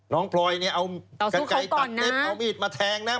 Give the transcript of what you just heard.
พลอยเนี่ยเอากระใจตัดเล็บเอามีดมาแทงนะ